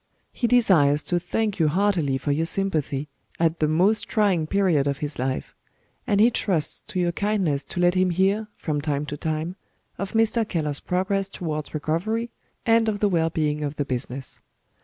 He desires to thank you heartily for your sympathy, at the most trying period of his life; and he trusts to your kindness to let him hear, from time to time, of Mr. Keller's progress towards recovery, and of the well being of the business.